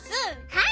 はい。